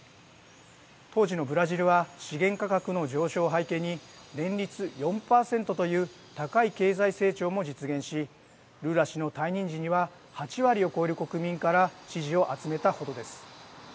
当時のブラジルは資源価格の上昇を背景に年率４％という高い経済成長も実現しルーラ氏の退任時には８割を超える国民から支持を集めたほどです。